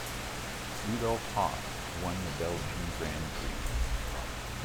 Rudolf Hasse won the Belgian Grand Prix.